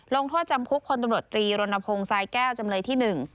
ลงโทษจำคุกพลตำรวจตรีรณพงศ์สายแก้วจำเลยที่๑